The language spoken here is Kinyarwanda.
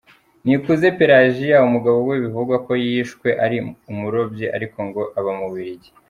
Nikuze Pelagie, umugabo we bivugwa ko yishwe ari umurobyi ariko ngo aba mu Bubiligi